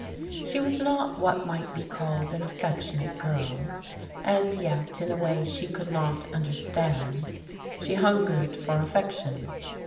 She was not what might be called an affectionate girl, and yet in a way she could not xmderstand, she hungered for affection.